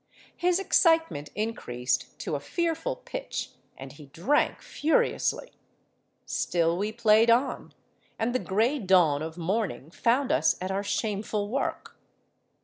His excitement increased to a fearful pitch, and he drank furiously. Still we played on, and the grey dawn of morning found us at our shameful work.